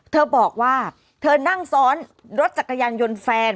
เธอบอกว่าเธอนั่งซ้อนรถจักรยานยนต์แฟน